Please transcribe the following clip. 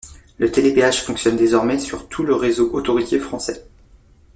Le télépéage fonctionne désormais sur tout le réseau autoroutier français.